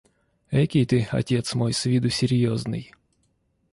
– Экий ты, отец мой, с виду серьезный!